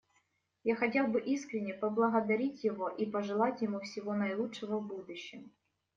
Я хотел бы искренне поблагодарить его и пожелать ему всего наилучшего в будущем.